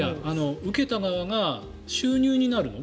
受けた側が収入になるの？